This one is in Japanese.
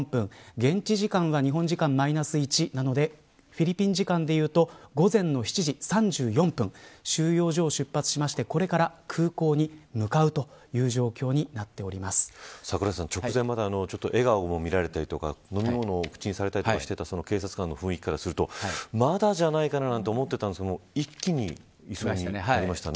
現地時間は日本時間マイナス１なのでフィリピン時間でいうと午前７時３４分収容所を出発して、これから空港に向かうという櫻井さん直前まで笑顔も見られたりとか飲み物を口にされたりしていた警察官の雰囲気からするとまだじゃないかななんて思ってたんですけど一気に移送になりましたね。